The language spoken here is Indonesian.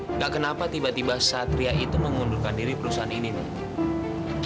enggak kenapa tiba tiba satria itu mengundurkan diri perusahaan ini nih